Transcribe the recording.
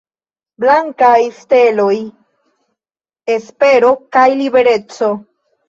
Blankaj steloj: espero kaj libereco.